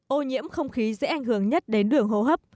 ô nhiễm không khí dễ ảnh hưởng nhất đến đường hô hấp